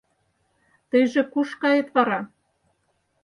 Тыйже куш кает вара?